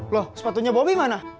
loh sepatunya bomi mana